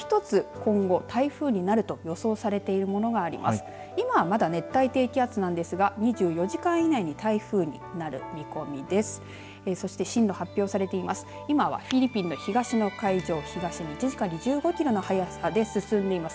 今はまだ熱帯低気圧なんですが２４時間以内に台風になる見込みです。